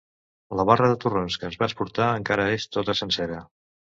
La barra de torrons que ens vas portar encara és tota sencera.